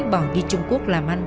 bỏ đi trung quốc làm ăn